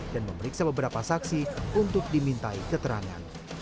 dan memeriksa beberapa saksi untuk dimintai keterangan